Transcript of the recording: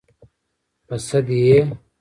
_ په سد يې؟